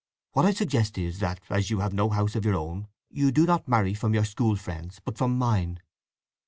What I suggest is that, as you have no house of your own, you do not marry from your school friend's, but from mine.